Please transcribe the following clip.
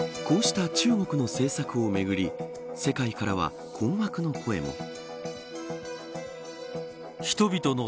こうした中国の政策をめぐり世界からは困惑の声も。